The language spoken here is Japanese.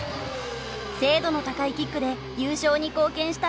精度の高いキックで優勝に貢献した中井選手。